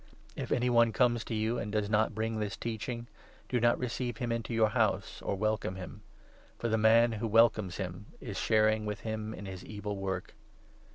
If any one comes to you and does not 10 bring this Teaching, do not receive him into your house or welcome him ; for the man who welcomes him is sharing with n him in his wicked work.